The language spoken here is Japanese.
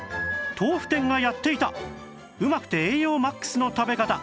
豆腐店がやっていたうまくて栄養 ＭＡＸ の食べ方